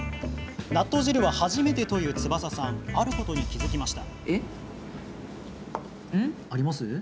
納豆汁は初めてという翼さんあることに気付きました。